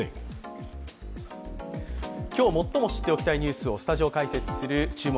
今日最も知っておきたいニュースをスタジオ解説する「注目！